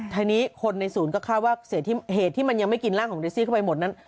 ทีนี้คนในศูนย์ก็คาดว่าเหตุที่มันยังไม่กินร่างของเดซี่เข้าไปหมดนั้น